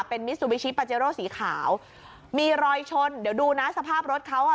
เป็นมิซูบิชิปาเจโร่สีขาวมีรอยชนเดี๋ยวดูนะสภาพรถเขาอ่ะ